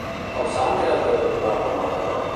El sant creu que tot va com ha d'anar?